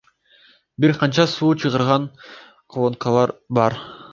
Бир канча суу чыгарган колонкалар бар.